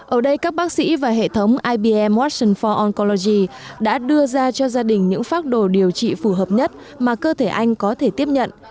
ở đây các bác sĩ và hệ thống ibm watson ford oncology đã đưa ra cho gia đình những phác đồ điều trị phù hợp nhất mà cơ thể anh có thể tiếp nhận